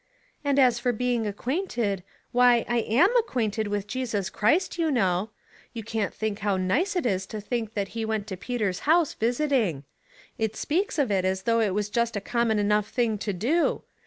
"' And as for being acquainted, why I am acquainted with Jesus Christ, you know. You can't think how nice it is to think that he went to Peter's house visiting. It speaks of it as though it was just a common enough thing to do.